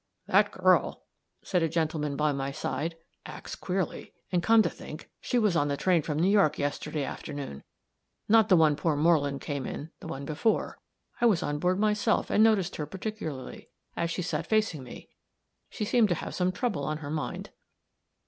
"That girl," said a gentleman by my side, "acts queerly. And, come to think, she was on the train from New York yesterday afternoon. Not the one poor Moreland came in; the one before. I was on board myself, and noticed her particularly, as she sat facing me. She seemed to have some trouble on her mind."